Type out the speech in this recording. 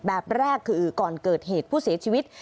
แบบแรกคือก่อนเกิดเหตุผู้เสียชีวิต